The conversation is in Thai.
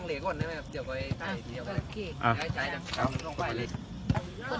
สวัสดีครับทุกคนขอบคุณครับทุกคน